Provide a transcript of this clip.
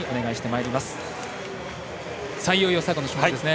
いよいよ最後の種目ですね。